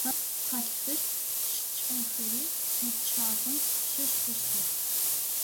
Тичэмхэм къалъфыщт шкӏэхэри мы пчъагъэм щыщ хъущтых.